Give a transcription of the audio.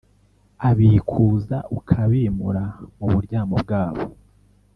abikuza ukabimura mu buryamo bwabo;